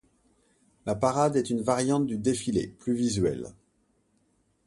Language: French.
La parade est une variante du défilé, plus visuelle.